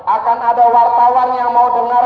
akan ada wartawan yang mau dengar